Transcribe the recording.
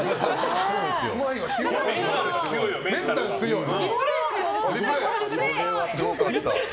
メンタルが強いね。